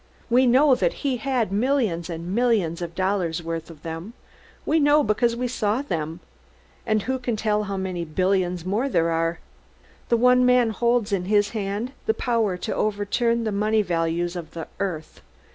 "We know that he has millions and millions of dollars' worth of them we know because we saw them and who can tell how many billions more there are? The one man holds in his hand the power to overturn the money values of the earth!"